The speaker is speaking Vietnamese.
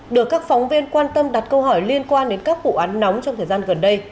được các phóng viên quan tâm đặt câu hỏi liên quan đến các vụ án nóng trong thời gian gần đây